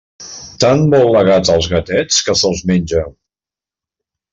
Tant vol la gata als gatets, que se'ls menja.